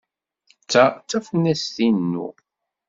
Ta d tafunast-inu.